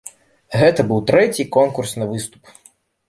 Гэта быў трэці конкурсны выступ.